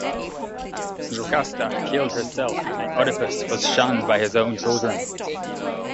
Jocasta killed herself, and Oedipus was shunned by his own children.